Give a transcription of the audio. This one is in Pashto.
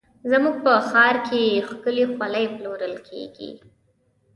زموږ په ښار کې ښکلې خولۍ پلورل کېږي.